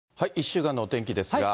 １週間のお天気ですが。